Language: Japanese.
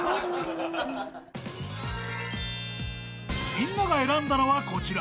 ［みんなが選んだのはこちら］